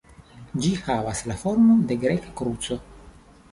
Ĝi havas la formon de Greka kruco.